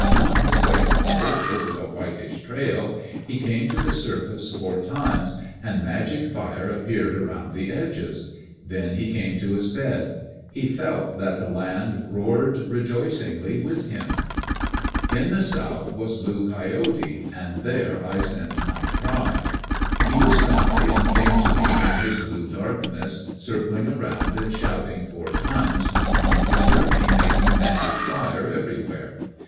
On his way homeward over the whitish trail, he came to the surface four times, and magic fire appeared around the edges. Then he came to his bed. He felt that the land roared rejoicingly with him. In the south was Blue Coyote and there I sent my cry. He was friendly and came to me from his blue darkness, circling around and shouting, four times, on his journey, making magic fire everywhere.